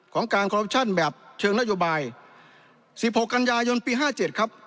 ของการคอรัปชั่นแบบเชิงนโยบายสิบหกกันยายนปีห้าเจ็ดครับ